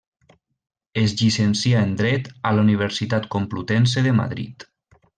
Es llicencià en dret a la Universitat Complutense de Madrid.